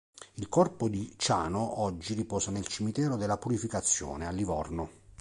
Il corpo di Ciano oggi riposa nel Cimitero della Purificazione, a Livorno.